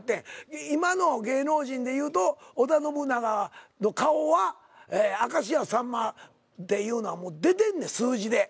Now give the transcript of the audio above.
今の芸能人でいうと織田信長の顔は明石家さんまっていうのはもう出てんねん数字で。